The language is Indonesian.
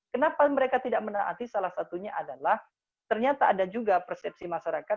kenapa mereka tidak menaati salah satunya adalah ternyata ada juga persepsi masyarakat